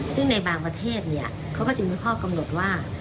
ซึ่งในบางประเทศเขาก็จะมีข้อกำหนดว่า